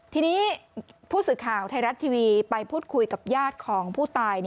ทีนี้ผู้สื่อข่าวไทยรัฐทีวีไปพูดคุยกับญาติของผู้ตาย